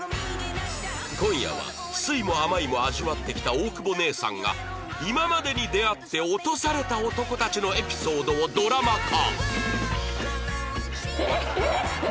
今夜は酸いも甘いも味わってきた大久保姉さんが今までに出会って落とされた男たちのエピソードをドラマ化